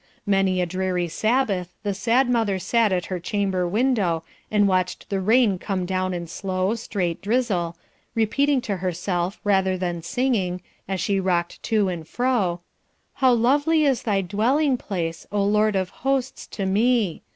Many a dreary Sabbath the sad mother sat at her chamber window and watched the rain come down in slow, straight drizzle, repeating to herself rather than singing, as she rocked too and fro, "How lovely is thy dwelling place, O Lord of hosts to me!